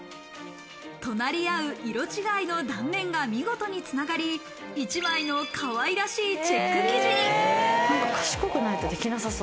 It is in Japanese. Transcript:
隣合う色違いの断面が見事につながり、１枚の可愛らしいチェック生地に。